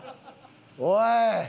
おい！